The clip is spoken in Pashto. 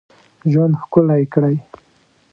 ژوند ښکلی کړی.